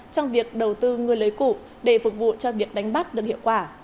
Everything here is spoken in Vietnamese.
trong việc đầu tư ngư lưới cụ để phục vụ cho việc đánh bắt được hiệu quả